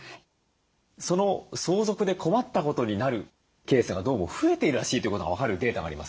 その相続で困ったことになるケースがどうも増えているらしいということが分かるデータがあります。